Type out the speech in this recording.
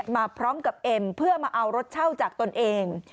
มาพร้อมกับเอ็มเพื่อมาเอารถเช่าจากตนเอง